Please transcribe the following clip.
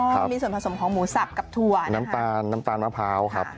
ข้างบัวแห่งสันยินดีต้อนรับทุกท่านนะครับ